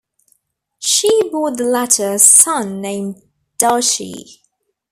She bore the latter a son named Dachi.